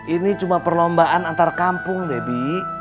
ini cuma perlombaan antar kampung debbie